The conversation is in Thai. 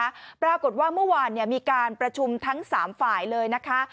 ปรากฏว่าเมื่อวานเนี่ยมีการประชุมทั้งสามฝ่ายเลยนะคะ